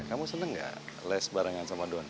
kamu seneng gak les barengan sama don